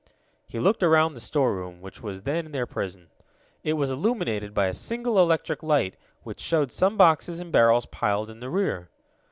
He looked around the storeroom, which was then their prison. It was illuminated by a single electric light, which showed some boxes and barrels piled in the rear.